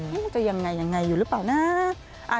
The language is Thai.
มันจะยังไงยังไงอยู่หรือเปล่านะ